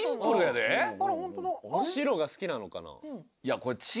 白が好きなのかな。